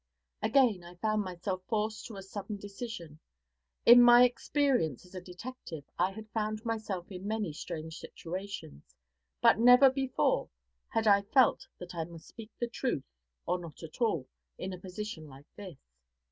Again I found myself forced to a sudden decision. In my experience as a detective I had found myself in many strange situations, but never before had I felt that I must speak the truth, or not at all, in a position like this.